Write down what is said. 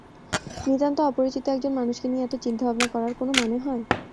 নিতান্ত অপরিচিত একজন মানুষকে নিয়ে এত চিন্তাভাবনা করার কোনো মানে হয়!